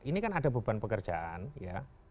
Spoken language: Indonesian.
ini kan ada beban pekerjaan ya